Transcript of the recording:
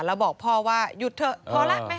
แล้วบอกพ่อว่าหยุดเถอะพอแล้ว